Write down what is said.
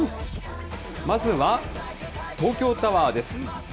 まずは東京タワーです。